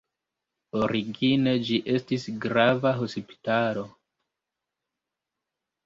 Origine ĝi estis grava hospitalo.